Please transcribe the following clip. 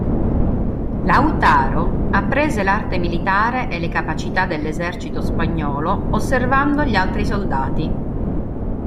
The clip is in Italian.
Lautaro apprese l'arte militare e le capacità dell'esercito spagnolo osservando gli altri soldati.